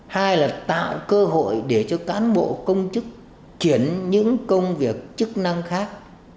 hai là tạo cơ hội để cho cán bộ công chức chuyển những công việc chức năng khác